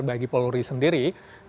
bagi polri sendiri